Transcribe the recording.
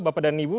bapak dan ibu